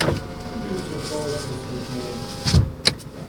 Who do you suppose is with me?